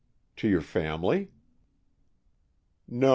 "To your family?" "No.